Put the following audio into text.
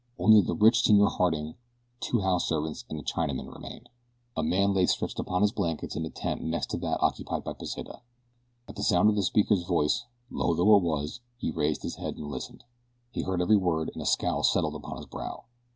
Only the rich Senor Harding, two house servants, and a Chinaman remain." A man lay stretched upon his blankets in a tent next to that occupied by Pesita. At the sound of the speaker's voice, low though it was, he raised his head and listened. He heard every word, and a scowl settled upon his brow.